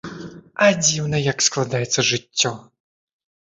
А дзіўна як складаецца жыццё!